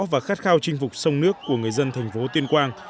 và khát khao chinh phục sông nước của người dân tp tuyên quang